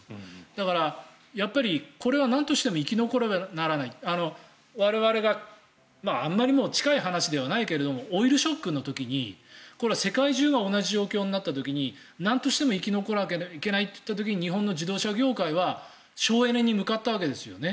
だから、これはなんとしても生き残らなければならない我々があまりに近い話ではないけどオイルショックの時に、これは世界中が同じ状況になった時になんとしても生き残らなきゃいけない時に日本の自動車業界は省エネに向かったわけですよね。